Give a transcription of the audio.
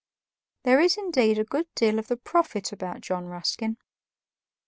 There is indeed a good deal of the prophet about John Ruskin.